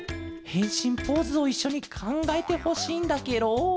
へんしんポーズをいっしょにかんがえてほしいんだケロ。